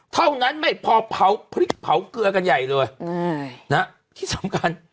เท่านั้นไม่พอเผาพริกเผาเกลือกันใหญ่เลยอืมนะฮะที่สำคัญ